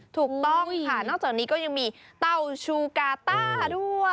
ถูกต้องค่ะนอกจากนี้ก็ยังมีเต้าชูกาต้าด้วย